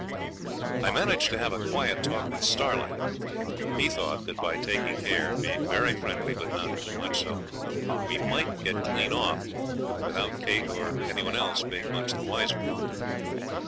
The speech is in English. I managed to have a quiet talk with Starlight. He thought that by taking care, being very friendly, but not too much so, we might get clean off, without Kate or any one else being much the wiser.